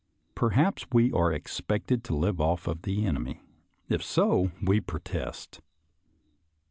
Perhaps we are expected to live off of the enemy ; if so, we protest.